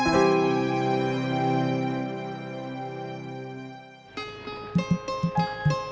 nah selalu salian